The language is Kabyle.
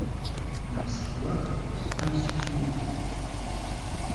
Nemseṛwa am seksu ubelluḍ.